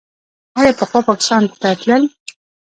آیا پخوا پاکستان ته تلل؟